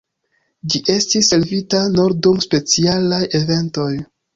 Ĝi estis servita nur dum specialaj eventoj.